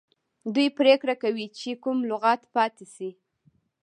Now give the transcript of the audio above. دوی پریکړه کوي چې کوم لغت پاتې شي.